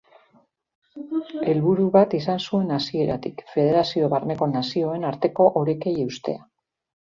Helburu bat izan zuen hasieratik, federazio barneko nazioen arteko orekei eustea.